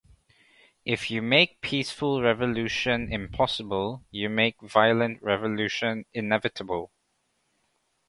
'If you make peaceful revolution impossible, you make violent revolution inevitable.